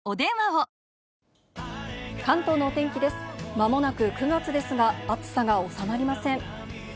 間もなく９月ですが、暑さが収まりません。